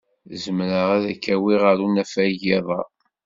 Zemreɣ ad k-awiɣ ɣer unafag iḍ-a.